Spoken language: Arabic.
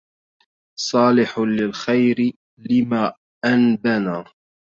صالح للخير لما أن بنى